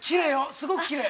すごくきれい。